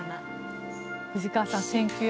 藤川さん